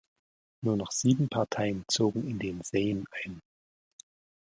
Nur noch sieben Parteien zogen in den Sejm ein.